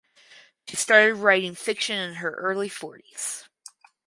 She started writing fiction in her early forties.